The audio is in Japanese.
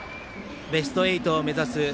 ベスト８を目指す